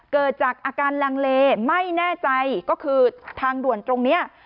เกิดจากอาการลังเลไม่แน่ใจก็คือทางด่วนตรงนี้